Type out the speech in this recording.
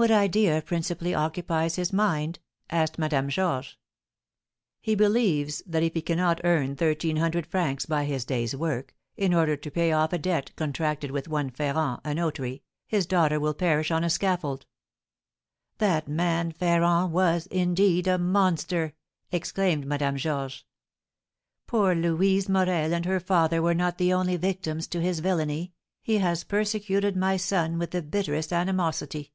"What idea principally occupies his mind?" asked Madame Georges. "He believes that if he cannot earn thirteen hundred francs by his day's work, in order to pay off a debt contracted with one Ferrand, a notary, his daughter will perish on a scaffold." "That man Ferrand was, indeed, a monster!" exclaimed Madame Georges; "poor Louise Morel and her father were not the only victims to his villainy, he has persecuted my son with the bitterest animosity."